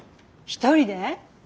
一人で？